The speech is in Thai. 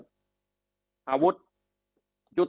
คำอภิปรายของสอสอพักเก้าไกลคนหนึ่ง